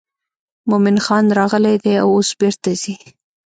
مومن خان راغلی دی او اوس بیرته ځي.